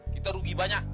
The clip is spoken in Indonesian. kita rugi banyak